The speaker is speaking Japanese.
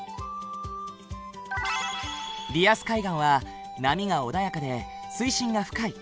リアス海岸は波が穏やかで水深が深い。